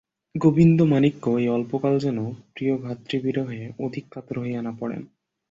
গোবিন্দমাণিক্য এই অল্প কাল যেন প্রিয়ভ্রাতৃবিরহে অধিক কাতর হইয়া না পড়েন।